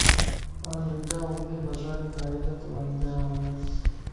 آن ننڍاھوندي مزار قائدت ونداھوياس